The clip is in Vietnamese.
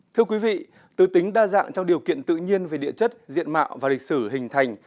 thưa quý vị tứ tính đa dạng trong điều kiện tự nhiên về địa chất diện mạo và lịch sử hình thành